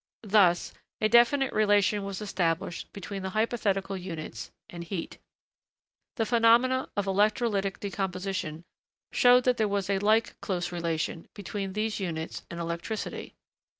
Thus a definite relation was established between the hypothetical units and heat. The phenomena of electrolytic decomposition showed that there was a like close relation between these units and electricity.